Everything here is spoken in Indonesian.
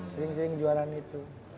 sering sering juara gitu